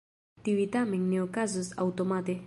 Tiuj tamen ne okazos aŭtomate.